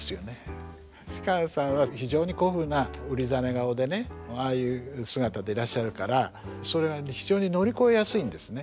芝さんは非常に古風なうりざね顔でねああいう姿でいらっしゃるからそれがね非常に乗り越えやすいんですね。